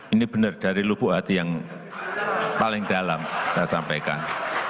ini benar dari lubuk hati yang paling dalam saya sampaikan